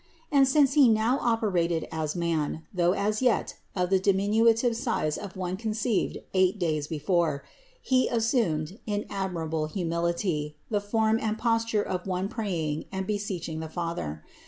And since He now operated as man, though as yet of the diminutive size of one conceived eight days before, He assumed, in admirable humility, the form and pos ture of one praying and beseeching the Father.